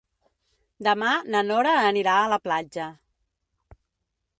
Demà na Nora anirà a la platja.